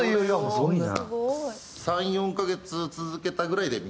すごいな！